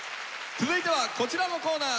続いてはこちらのコーナー。